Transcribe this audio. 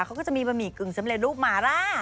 เขาก็จะมีบะหมี่กึ่งสำเร็จรูปมาร่า